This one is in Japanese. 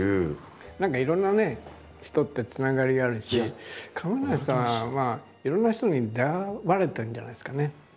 何かいろんなね人ってつながりがあるし亀梨さんはいろんな人に出会われてるんじゃないですかね。